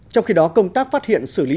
trong khi đó công tác phát hiện xử lý